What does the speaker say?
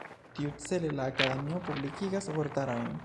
Tiucele la Akademio publikigas vortarojn.